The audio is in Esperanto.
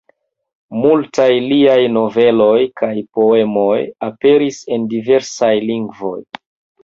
Multaj liaj noveloj kaj poemoj aperis en diversaj lingvoj.